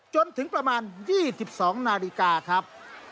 จนถึงประมาณ๒๒นาฬิกาครับ